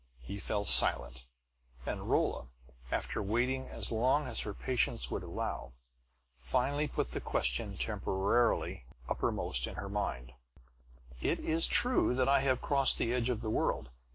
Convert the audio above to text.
He fell silent; and Rolla, after waiting as long as her patience would allow, finally put the question temporarily uppermost in her mind: "It is true that I have crossed the edge of the world.